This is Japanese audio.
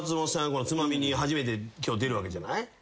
『ツマミ』に初めて今日出るわけじゃない？